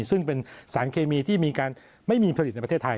ซึ่งเป็นสารเคมีที่มีการไม่มีผลิตในประเทศไทย